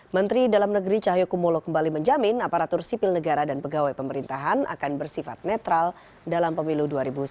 menteri dalam negeri cahyokumolo kembali menjamin aparatur sipil negara dan pegawai pemerintahan akan bersifat netral dalam pemilu dua ribu sembilan belas